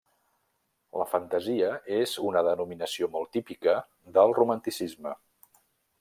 La fantasia és una denominació molt típica del Romanticisme.